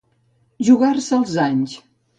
Jugar-se els anys.